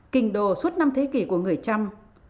kinh đô suốt năm thế kỷ của người trăm